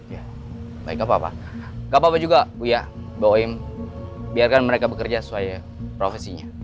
iya baik nggak apa apa nggak apa apa juga buya bu oim biarkan mereka bekerja sesuai profesinya